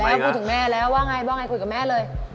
แล้วพูดถึงแม่แล้วว่าไงพูดถึงแม่เลย